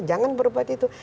jangan berbuat itu